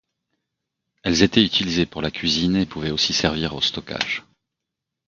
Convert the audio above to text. Elles étaient utilisées pour la cuisine et pouvaient aussi servir au stockage.